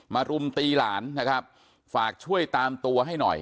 รุมตีหลานนะครับฝากช่วยตามตัวให้หน่อย